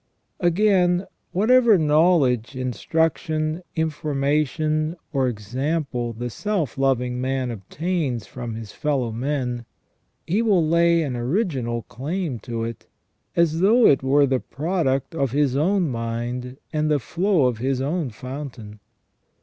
Again, what ever knowledge, instruction, information, or example the self loving man obtains from his fellow men, he will lay an original 10 146 SELF AND CONSCIENCE. claim to, as though it were the product of his own mind and the flow of his own fountain.